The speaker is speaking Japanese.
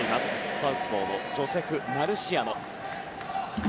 サウスポーのジョセフ・マルシアノ。